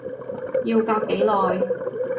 要隔幾耐？